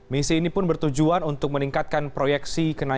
misi ini pun bertujuan untuk meningkatkan proyeksi kawasan rendah di greenland